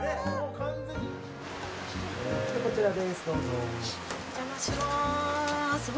お邪魔します。